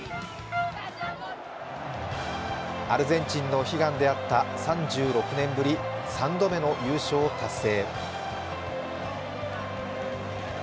アルゼンチンの悲願であった３６年ぶり、３度目の優勝達成。